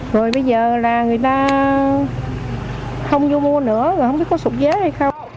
rồi bây giờ là người ta không vô mua nữa rồi không biết có sụp giá hay không